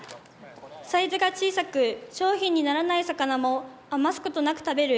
サイズが小さく商品にならない魚も余すことなく食べる。